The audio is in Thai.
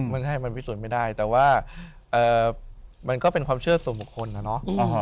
มันให้มันพิสูจน์ไม่ได้แต่ว่ามันก็เป็นความเชื่อส่วนบุคคลนะเนาะ